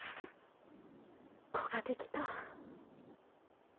子ができた。